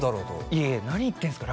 「いやいや何言ってんすか？